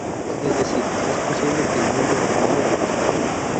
Es decir, es posible que el Mundo vaya a buscarlo.